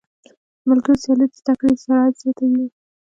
د ملګرو سیالۍ د زده کړې سرعت زیاتوي.